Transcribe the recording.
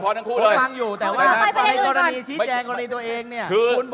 ผมเลยฟังอยู่แต่ในรณีชี้แจงน์เรื่องตัวเองเนี่ย